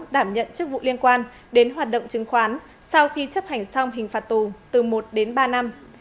đảm nhận chức vụ liên quan đến hoạt động chứng khoán sau khi chấp hành xong hình phạt tù từ một đến ba năm